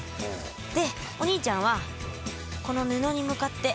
でお兄ちゃんはこの布に向かって風を送って。